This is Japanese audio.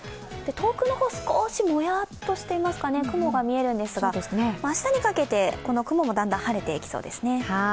遠くの方、少しもやっとしていますかね、雲が見えるんですが、明日にかけてこの雲もだんだん晴れてきそうですね。